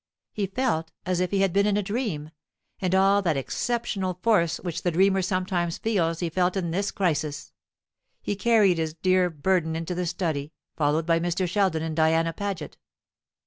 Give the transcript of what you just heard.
He felt as if he had been in a dream; and all that exceptional force which the dreamer sometimes feels he felt in this crisis. He carried his dear burden into the study, followed by Mr. Sheldon and Diana Paget.